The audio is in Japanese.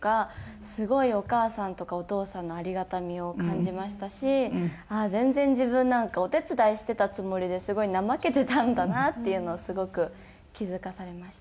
すごいお母さんとかお父さんのありがたみを感じましたし全然自分なんかお手伝いしてたつもりですごい怠けてたんだなっていうのをすごく気付かされました。